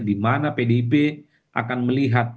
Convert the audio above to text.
dimana pdip akan melihat